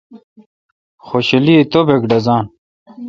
خوشیلی توبک ڈزان۔